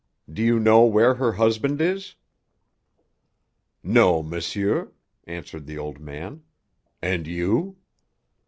Do you know where her husband is?" "No, monsieur," answered the old man. "And you?"